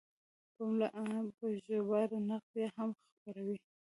پملا په ژباړه نقد هم خپروي.